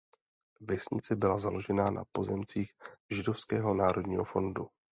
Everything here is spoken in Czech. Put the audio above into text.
Vesnice byla založena na pozemcích Židovského národního fondu.